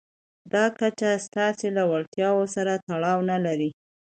دا کچه ستاسې له وړتیاوو سره تړاو نه لري.